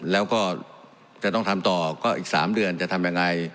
แล้วก็จะต้องทำต่อก็อีก๓เดือนจะทำยังไง